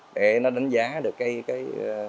để nó đánh giá được cái